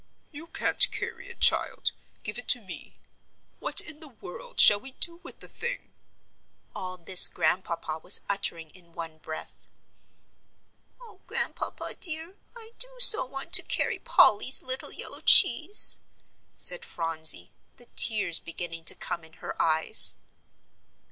"You can't carry it, child; give it to me. What in the world shall we do with the thing?" all this Grandpapa was uttering in one breath. "Oh, Grandpapa, dear, I do so want to carry Polly's little yellow cheese," said Phronsie, the tears beginning to come in her eyes.